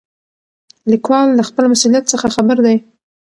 لیکوال له خپل مسؤلیت څخه خبر دی.